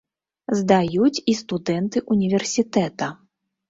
Здаюць і студэнты ўніверсітэта.